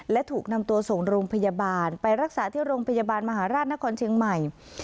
และถูกนำตัวส่งโรงพยาบาลไปรักษาที่โรงพยาบาลมหาราชนครเชียงใหม่